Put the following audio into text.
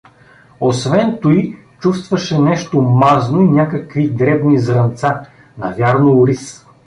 Освен туй чувствуваше нещо мазно и някакви дребни зрънца, навярно ориз.